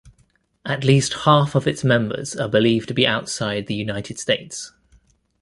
At least half of its members are believed to be outside the United States.